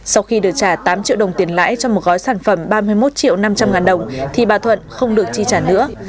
sau khi được trả tám triệu đồng tiền lãi cho một gói sản phẩm ba mươi một triệu năm trăm linh ngàn đồng thì bà thuận không được chi trả nữa